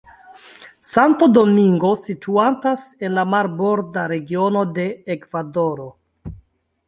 Santo Domingo situantas en la Marborda Regiono de Ekvadoro.